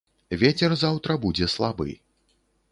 Вецер заўтра будзе слабы.